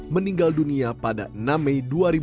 meninggal dunia pada enam mei dua ribu dua puluh